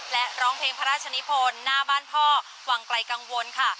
และร้องเพลงพระราชนิพลหน้าบ้านพ่อวังไกลกังวลค่ะ